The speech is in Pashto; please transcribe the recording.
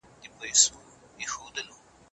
موږ باید په نړۍ کي د ازادو افکارو ملاتړ وکړو.